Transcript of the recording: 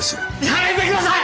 やめてください！